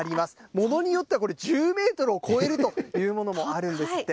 ものによってはこれ、１０メートルを超えるというものもあるんですって。